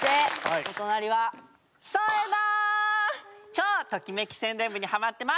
超ときめき宣伝部にハマってます。